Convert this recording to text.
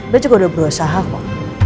dia juga udah berusaha kok